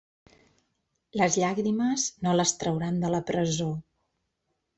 Les llàgrimes no les trauran de la presó.